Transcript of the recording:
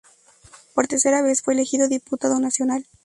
Por tercera vez fue elegido diputado nacional.